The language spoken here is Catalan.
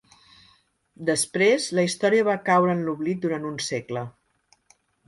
Després, la història va caure en l'oblit durant un segle.